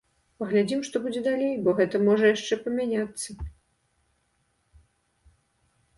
Паглядзім, што будзе далей, бо гэта можа яшчэ памяняцца.